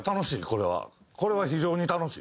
これは非常に楽しい。